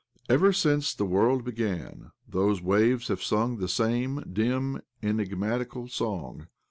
Ever since the world began, those waves have sung the same dim, enigmatical song.